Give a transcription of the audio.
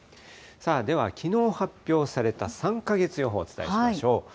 ではきのう発表された３か月予報をお伝えしましょう。